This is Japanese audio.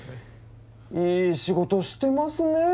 いい仕事してますねえ。